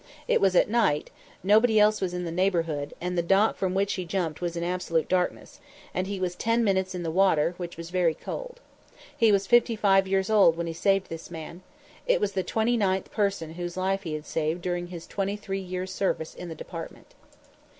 It was at night, nobody else was in the neighborhood, and the dock from which he jumped was in absolute darkness, and he was ten minutes in the water, which was very cold. He was fifty five years old when he saved this man. It was the twenty ninth person whose life he had saved during his twenty three years' service in the Department.